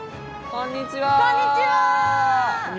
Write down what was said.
こんにちは。